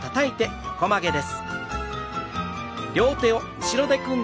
横曲げです。